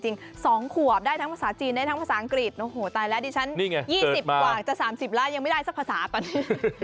๒ขวบได้ทั้งภาษาจีนได้ทั้งภาษาอังกฤษโอ้โหตายแล้วดิฉัน๒๐กว่าจะ๓๐ล้านยังไม่ได้สักภาษาตอนนี้